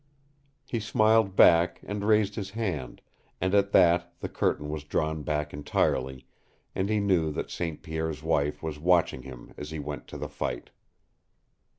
He smiled back and raised his hand, and at that the curtain was drawn back entirely, and he knew that St. Pierre's wife was watching him as he went to the fight.